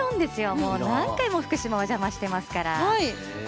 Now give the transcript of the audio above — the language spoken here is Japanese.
もう何回も福島お邪魔してますから。